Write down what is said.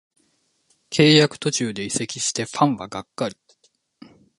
契約途中で移籍してファンはがっかり